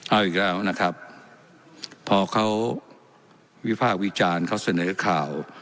เอาอีกแล้วนะครับพอเขาวิพากษ์วิจารณ์เขาเสนอข่าว